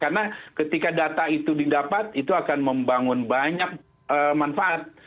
karena ketika data itu didapat itu akan membangun banyak manfaat